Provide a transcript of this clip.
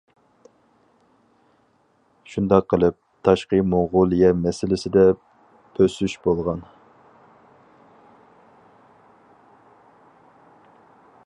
شۇنداق قىلىپ، تاشقى موڭغۇلىيە مەسىلىسىدە بۆسۈش بولغان.